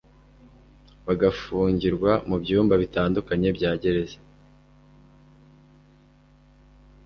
bagafungirwa mu byumba bitandukanye bya gereza